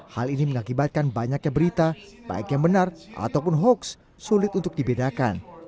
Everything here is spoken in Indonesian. hal ini mengakibatkan banyaknya berita baik yang benar ataupun hoax sulit untuk dibedakan